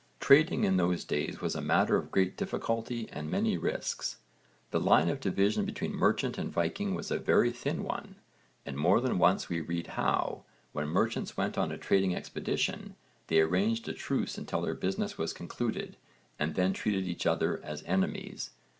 Trading in those days was a matter of great difficulty and many risks. The line of division between merchant and Viking was a very thin one, and more than once we read how, when merchants went on a trading expedition, they arranged a truce until their business was concluded and then treated each other as enemies.